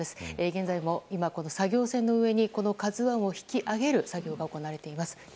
現在も今、作業船の上に「ＫＡＺＵ１」を引き揚げる作業が行われています。